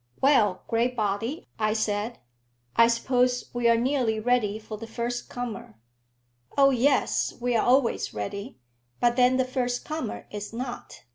"Well, Graybody," I said, "I suppose we are nearly ready for the first comer." "Oh yes; we're always ready; but then the first comer is not."